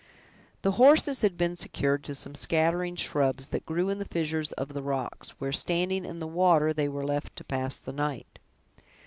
The horses had been secured to some scattering shrubs that grew in the fissures of the rocks, where, standing in the water, they were left to pass the night.